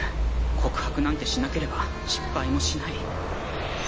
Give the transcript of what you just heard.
告白なんてしなければ失敗もしない。